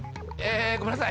ごめんなさい